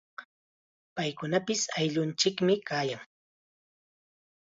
Paykunapis ayllunchikmi kayan.